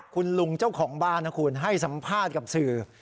คุณลุงเจ้าของบ้านนะคุณให้สัมภาษณ์กับสื่อ